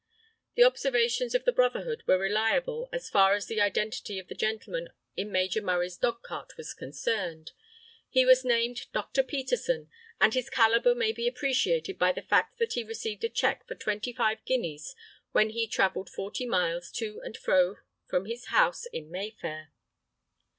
The observations of the brotherhood were reliable as far as the identity of the gentleman in Major Murray's dog cart was concerned. He was named Dr. Peterson, and his caliber may be appreciated by the fact that he received a check for twenty five guineas when he travelled forty miles to and fro from his house in Mayfair.